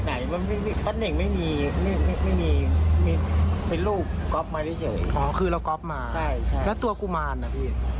ค่าสายอย่างค่าสายของของพระพุทธชาติ